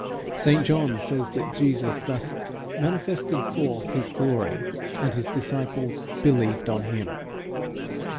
St John says that Jesus thus "manifested forth his glory, and his disciples believed on him."